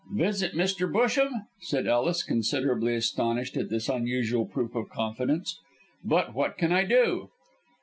"Visit Mr. Busham?" said Ellis, considerably astonished at this unusual proof of confidence. "But what can I do?"